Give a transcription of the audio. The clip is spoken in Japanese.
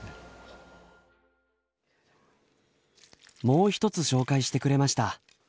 もう一つ紹介してくれました。